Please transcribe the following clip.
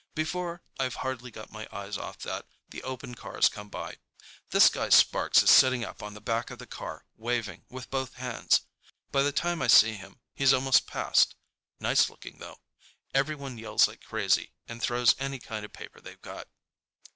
Before I've hardly got my eyes off that, the open cars come by. This guy Sparks is sitting up on the back of the car, waving with both hands. By the time I see him, he's almost past. Nice looking, though. Everyone yells like crazy and throws any kind of paper they've got.